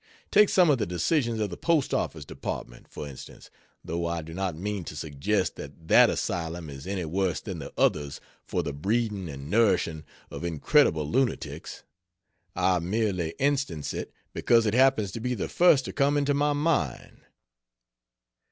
Take some of the decisions of the Post office Department, for instance though I do not mean to suggest that that asylum is any worse than the others for the breeding and nourishing of incredible lunatics I merely instance it because it happens to be the first to come into my mind.